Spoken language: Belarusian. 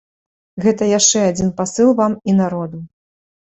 Гэта яшчэ адзін пасыл вам і народу.